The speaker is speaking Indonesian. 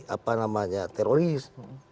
apa namanya teroris